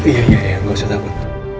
iya gak usah takut